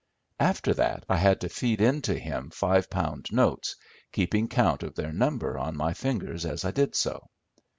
After that I had to feed in to him five pound notes, keeping count of their number on my fingers as I did so.